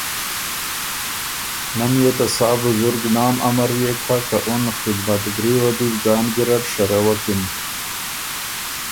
نۀ ميې ته سا بزرګ نام امريېک هۀ که اُن خدمتګري وه دی بو ځان ګیرډ شروَکِن